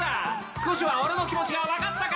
少しは俺の気持ちが分かったか